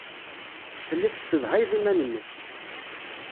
Tellid tessedhayed iman-nnek.